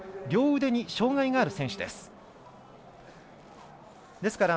両腕に障がいのある選手です。